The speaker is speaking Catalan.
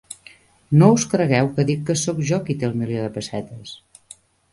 No us cregueu que dic que sóc jo qui té el milió de pessetes.